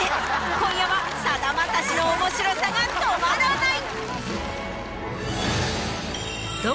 今夜はさだまさしの面白さが止まらない！